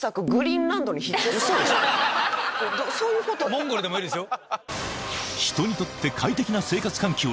モンゴルでもいいですよ。